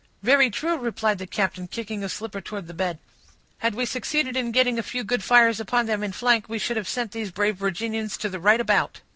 "Very true," replied the captain, kicking a slipper towards the bed. "Had we succeeded in getting a few good fires upon them in flank, we should have sent these brave Virginians to the right about."